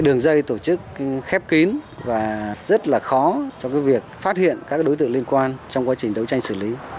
đường dây tổ chức khép kín và rất là khó trong việc phát hiện các đối tượng liên quan trong quá trình đấu tranh xử lý